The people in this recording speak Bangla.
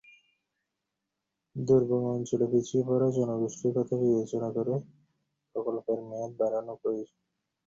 দুর্গম অঞ্চলের পিছিয়ে পড়া জনগোষ্ঠীর কথা বিবেচনা করে প্রকল্পের মেয়াদ বাড়ানো প্রয়োজন।